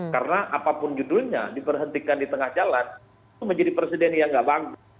karena apapun judulnya diperhentikan di tengah jalan itu menjadi presiden yang gak bagus